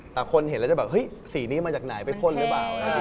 แต่คนเห็นแล้วจะแบบเฮ้ยสีนี้มาจากไหนไปพ่นหรือเปล่า